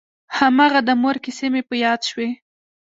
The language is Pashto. هماغه د مور کيسې مې په ياد شوې.